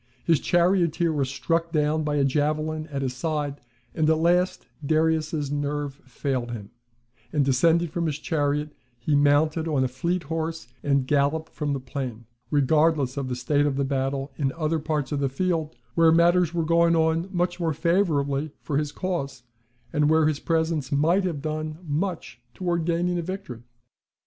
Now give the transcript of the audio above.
His charioteer was struck down by a javelin at his side; and at last Darius's nerve failed him; and, descending from his chariot, he mounted on a fleet horse and galloped from the plain, regardless of the state of the battle in other parts of the field, where matters were going on much more favourably for his cause, and where his presence might have done much towards gaining a victory.